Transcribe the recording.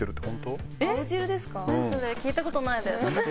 聞いた事ないです。